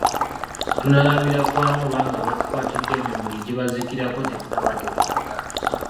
Tunaalabira ku ani oba nga abatukwatidde emimuli gibazikirako tetulaba gyetulaga!